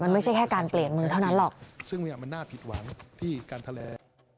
มันไม่ใช่แค่การเปลี่ยนมือเท่านั้นหรอกซึ่งเนี่ยมันน่าผิดหวังที่การทะเล